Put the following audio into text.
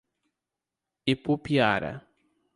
Ipupiara